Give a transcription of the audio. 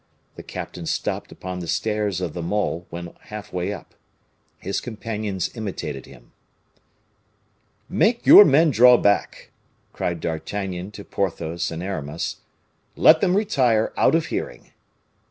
The captain stopped upon the stairs of the mole, when half way up. His companions imitated him. "Make your men draw back," cried D'Artagnan to Porthos and Aramis; "let them retire out of hearing."